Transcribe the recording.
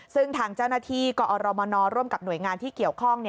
ซึ่งทางเจ้าหน้าที่กอรมนร่วมกับหน่วยงานที่เกี่ยวข้อง